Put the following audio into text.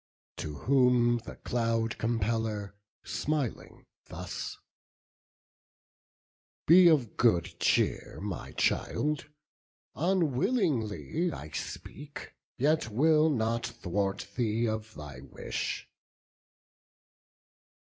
To whom the Cloud compeller, smiling, thus: "Be of good cheer, my child; unwillingly I speak, yet will not thwart thee of thy wish."